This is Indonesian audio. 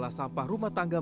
bumk kampung sampah blank room